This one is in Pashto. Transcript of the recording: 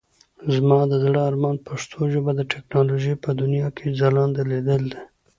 زما د زړه ارمان پښتو ژبه د ټکنالوژۍ په دنيا کې ځلانده ليدل دي.